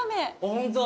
ホントだ。